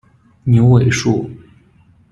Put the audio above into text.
牛尾树